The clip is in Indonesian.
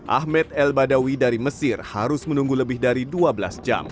ahmed el badawi dari mesir harus menunggu lebih dari dua belas jam